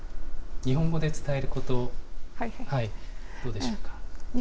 日本語で伝えること、どうでしょうか。